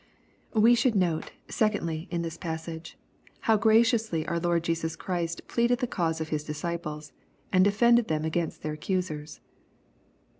We should notice, secondly, in this passage, how gra^ ciously our Lord Jesus Christ pleaded the cause of His disciples J and defended them against their accusers.